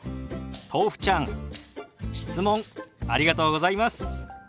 とうふちゃん質問ありがとうございます。